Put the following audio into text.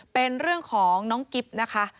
เป็นเรื่องของน้องกิ๊บนะคะ